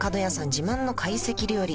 自慢の会席料理